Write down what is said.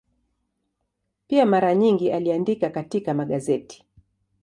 Pia mara nyingi aliandika katika magazeti.